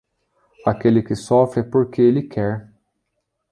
Aquele que sofre é porque ele quer.